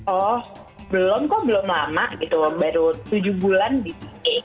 oh belum kok belum lama gitu baru tujuh bulan di pk